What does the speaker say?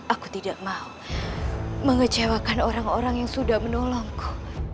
aku tidak mau mengecewakan orang orang yang sudah menolongku